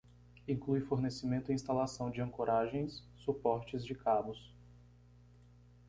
Inclui fornecimento e instalação de ancoragens, suportes de cabos.